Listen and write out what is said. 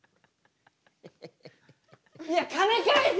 いや金返せ！